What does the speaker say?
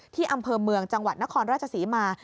อำเภอเมืองจังหวัดนครราชศรีมา